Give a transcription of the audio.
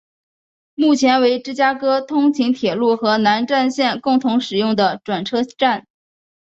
目前为芝加哥通勤铁路和南岸线共同使用的转车站。